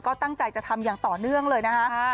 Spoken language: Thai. ก็ตั้งใจจะทำอย่างต่อเนื่องเลยนะคะ